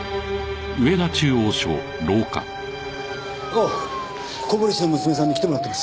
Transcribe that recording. あっ小堀氏の娘さんに来てもらってます。